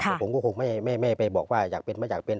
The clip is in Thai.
แต่ผมก็คงไม่ไปบอกว่าอยากเป็นไม่อยากเป็น